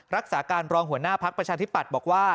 รักษาการรองหัวหน้าพักประชาธิปัตย์บอกว่า